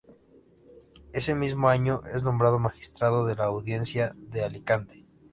Ese mismo año es nombrado magistrado de la Audiencia de Alicante.